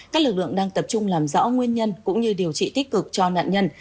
các lực lượng đang tập trung làm rõ nguyên nhân cũng như điều trị tích cực cho nạn nhân